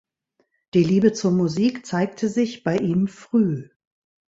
Die Liebe zur Musik zeigte sich bei ihm früh.